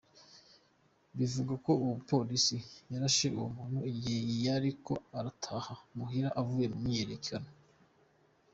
Bivugwa ko uwo mupolisi yarashe uwo muntu igihe yariko arataha muhira avuye mu myiyerekano.